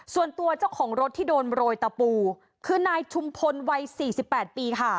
ส่วนตัวเจ้าของรถที่โดนโรยตะปูคือนายชุมพลวัย๔๘ปีค่ะ